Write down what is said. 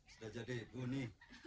sudah jadi ibuni